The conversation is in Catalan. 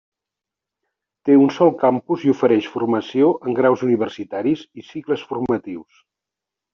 Té un sol campus i ofereix formació en graus universitaris i cicles formatius.